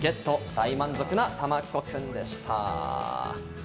大満足のたまっこくんでした。